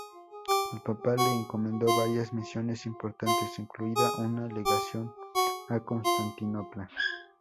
El papa le encomendó varias misiones importantes, incluida una legación a Constantinopla.